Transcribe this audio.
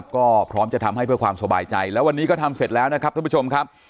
ก็พร้อมจะทำให้เพื่อความสบายใจแล้ววันนี้ก็ทำเสร็จแล้วนะครับท่านผู้ชมครับ